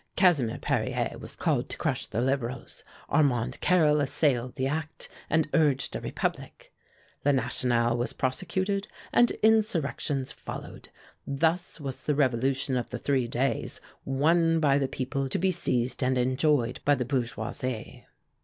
Casimir Perier was called to crush the Liberals. Armand Carrel assailed the act, and urged a republic. 'Le National' was prosecuted, and insurrections followed. Thus was the Revolution of the Three Days won by the people to be seized and enjoyed by the Bourgeoisie.